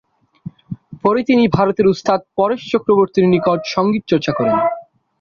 পরে তিনি ভারতের ওস্তাদ পরেশ চক্রবর্তীর নিকট সঙ্গীত চর্চা করেন।